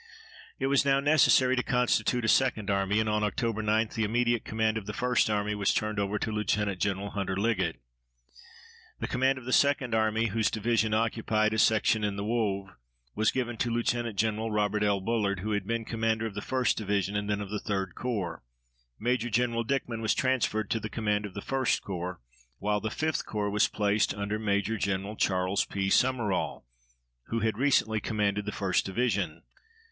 It was now necessary to constitute a second army, and on Oct. 9 the immediate command of the First Army was turned over to Lieut. Gen. Hunter Liggett. The command of the Second Army, whose divisions occupied a sector in the Woevre, was given to Lieut. Gen. Robert L. Bullard, who had been commander of the 1st Division and then of the 3d Corps. Major Gen. Dickman was transferred to the command of the 1st Corps, while the 5th Corps was placed under Major Gen. Charles P. Summerall, who had recently commanded the 1st Division.